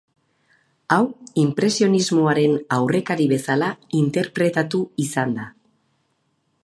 Hau inpresionismoaren aurrekari bezala interpretatu izan da.